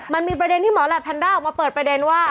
มันมีประเด็นที่หมอแหลปแนนด้าออกมาเปิดประเด็นว่า